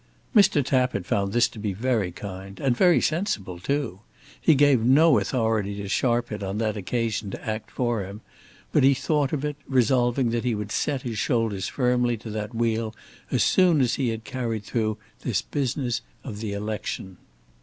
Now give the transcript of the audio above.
Mr. Tappitt found this to be very kind, and very sensible too. He gave no authority to Sharpit on that occasion to act for him; but he thought of it, resolving that he would set his shoulders firmly to that wheel as soon as he had carried through this business of the election.